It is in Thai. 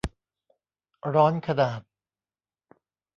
ร้อนขนาด